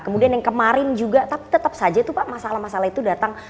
kemudian yang kemarin juga tapi tetap saja tuh pak masalah masalah itu datang